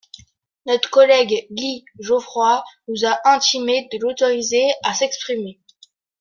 Notre collègue Guy Geoffroy nous a intimé de l’autoriser à s’exprimer.